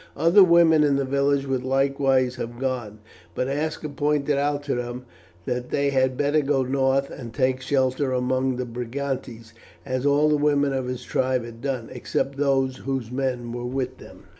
Other women in the village would likewise have gone, but Aska pointed out to them that they had better go north and take shelter among the Brigantes, as all the women of his tribe had done, except those whose men were with them.